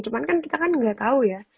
cuma kan kita kan nggak tahu ya